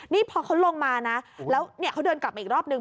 นี่พอเขาลงมานะแล้วเนี่ยเขาเดินกลับมาอีกรอบนึง